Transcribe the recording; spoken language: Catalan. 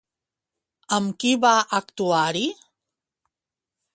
Amb qui va actuar-hi?